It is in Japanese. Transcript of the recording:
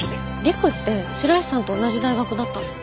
陸って白石さんと同じ大学だったの？